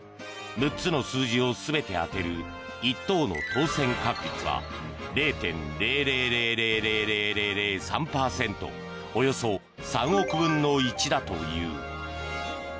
６つの数字を全て当てる１等の当選確率は０．００００００００３％およそ３億分の１だという。